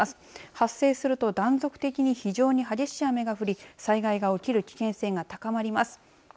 発生すると断続的に非常に激しい雨が降り災害が起きる危険性が高まります。